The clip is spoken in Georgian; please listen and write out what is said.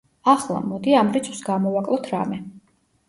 ახლა, მოდი, ამ რიცხვს გამოვაკლოთ რამე.